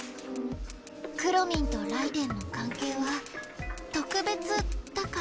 くろミンとライデェンの関係はとくべつだから。